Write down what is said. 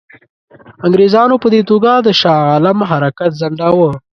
انګرېزانو په دې توګه د شاه عالم حرکت ځنډاوه.